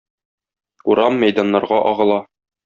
Урам, мәйданнарга агыла.